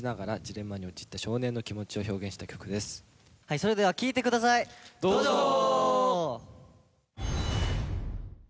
それでは聴いてください、どうぞー。